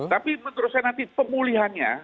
tapi menurut saya nanti pemulihannya